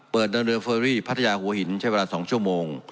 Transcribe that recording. เดินเรือเฟอรี่พัทยาหัวหินใช้เวลา๒ชั่วโมง